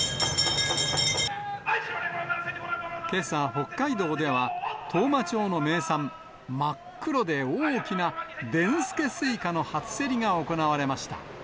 けさ、北海道では当麻町の名産、真っ黒で大きなでんすけすいかの初競りが行われました。